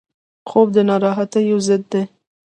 خوب د ناراحتیو ضد دی